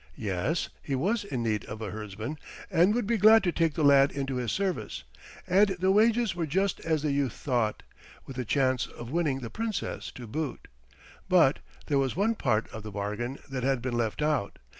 Yes, he was in need of a herdsman and would be glad to take the lad into his service, and the wages were just as the youth thought, with a chance of winning the Princess to boot. But there was one part of the bargain that had been left out.